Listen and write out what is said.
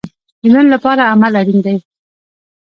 د نن لپاره عمل اړین دی